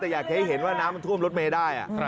แต่อยากจะให้เห็นว่าน้ำมันท่วมรถเมย์ได้